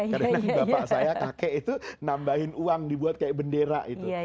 karena bapak saya kakek itu nambahin uang dibuat kayak bendera itu